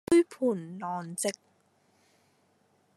杯盤狼藉